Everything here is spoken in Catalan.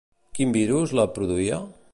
Quin virus la produïa?